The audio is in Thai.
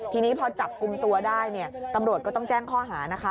ทีนี้พอจับกลุ่มตัวได้เนี่ยตำรวจก็ต้องแจ้งข้อหานะคะ